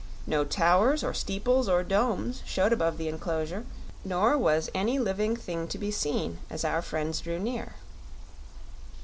No towers or steeples or domes showed above the enclosure, nor was any living thing to be seen as our friends drew near.